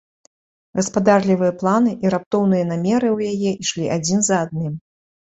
Гаспадарлівыя планы і раптоўныя намеры ў яе ішлі адзін за адным.